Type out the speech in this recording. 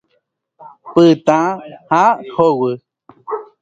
Pytã ha hovy.